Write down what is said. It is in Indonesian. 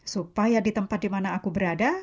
supaya di tempat di mana aku berada